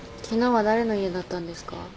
昨日は誰の家だったんですか？